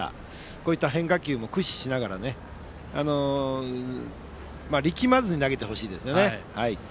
こういった変化球も駆使しながら力まず投げてほしいですね。